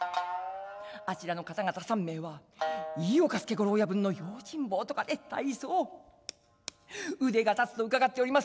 あちらの方々三名は飯岡助五郎親分の用心棒とかでたいそう腕がたつと伺っております。